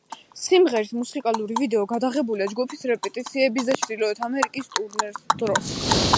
სიმღერის მუსიკალური ვიდეო გადაღებულია ჯგუფის რეპეტიციების და ჩრდილოეთ ამერიკის ტურნეს დროს.